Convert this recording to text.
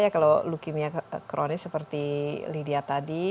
kalau leukemia kronis seperti lydia tadi